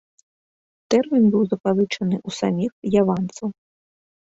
Тэрмін быў запазычаны ў саміх яванцаў.